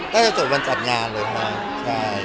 จะจบวันจัดงานเลยค่ะ